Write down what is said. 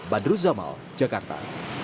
badru zamal jakarta